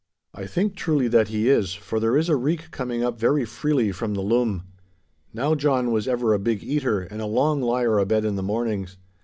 I think truly that he is, for there is a reek coming up very freely from the lum. Now John was ever a big eater and a long lier abed in the mornings.